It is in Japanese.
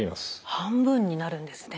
半分になるんですね。